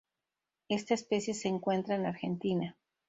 Esta especie se encuentra en Argentina